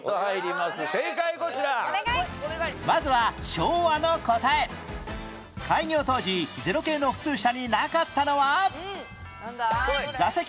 まずは開業当時０系の普通車になかったのは